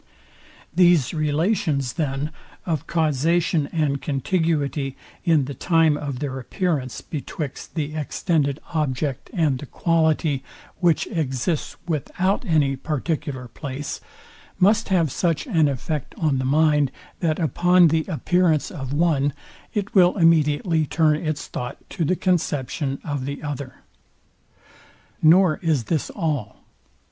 These relations, then, of causation, and contiguity in the time of their appearance, betwixt the extended object and the quality, which exists without any particular place, must have such an effect on the mind, that upon the appearance of one it will immediately turn its thought to the conception of the other. Nor is this all.